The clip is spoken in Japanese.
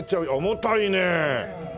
重たいねえ！